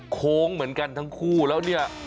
โค้งเหมือนกันทั้งคู่แล้วเนี่ย